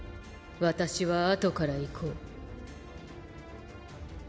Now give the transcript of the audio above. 私はあとから行こう。